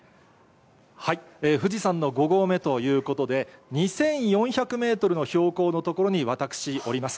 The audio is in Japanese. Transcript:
富士山の５合目ということで、２４００メートルの標高の所に私おります。